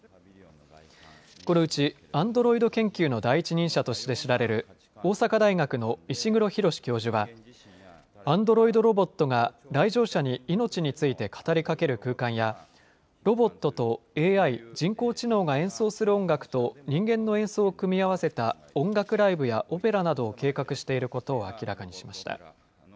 このうちアンドロイド研究の第一人者として知られる大阪大学の石黒浩教授はアンドロイドロボットが来場者にいのちについて語りかける空間やロボットとＡＩ人工知能が演奏する音楽と人間の演奏を組み合わせた音楽ライブやオペラなどを計画していることを明らかにしました。